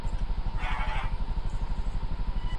ایا ستا په موبایل کي د مننې پیغامونه سته؟